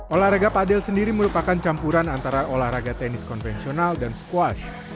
olahraga padel sendiri merupakan campuran antara olahraga tenis konvensional dan squash